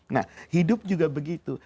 nah hidup juga begitu